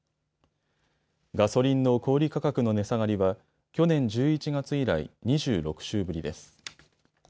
ガソリンの小売価格の値下がりは去年１１月以来、２６週ぶりです。